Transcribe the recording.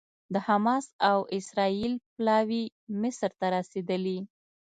د حماس او اسرائیل پلاوي مصر ته رسېدلي